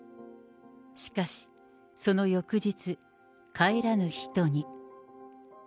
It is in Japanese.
しかし、その翌日、帰らぬ人に。